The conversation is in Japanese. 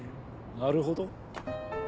なるほど。